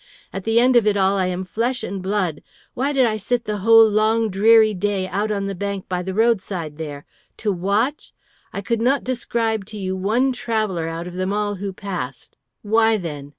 At the end of it all I am flesh and blood. Why did I sit the whole long dreary day out on the bank by the roadside there? To watch? I could not describe to you one traveller out of them all who passed. Why, then?